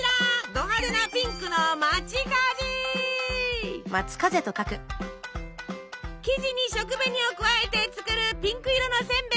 ド派手なピンクの生地に食紅を加えて作るピンク色のせんべいなの。